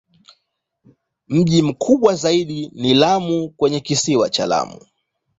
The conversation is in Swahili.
Mji mkubwa zaidi ni Lamu kwenye Kisiwa cha Lamu.